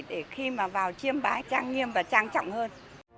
để khi mà vào chiêm bái trang nghiêm và trang trọng hơn